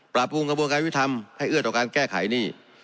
ปรุงกระบวนการยุทธรรมให้เอื้อต่อการแก้ไขหนี้